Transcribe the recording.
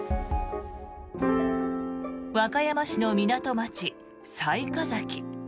和歌山市の港町・雑賀崎。